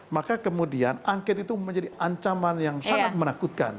maka kemudian angket itu menjadi ancaman yang sangat menakutkan